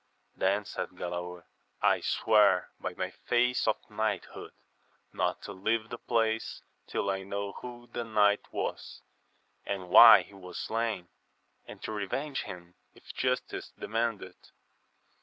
Then said Galaor, I swear by my faith of knighthood not to leave the place till I know who the knight was, and why he was slain, and to revenge him if justice demand it.